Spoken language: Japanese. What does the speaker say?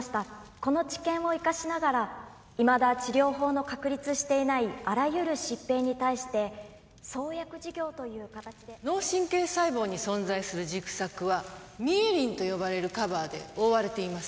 この知見を生かしながらいまだ治療法の確立していないあらゆる疾病に対して創薬事業という形で脳神経細胞に存在する軸索はミエリンと呼ばれるカバーで覆われています